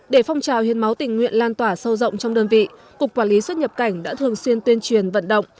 để phong trào hiến máu tình nguyện lan tỏa sâu rộng trong đơn vị cục quản lý xuất nhập cảnh đã thường xuyên tuyên truyền vận động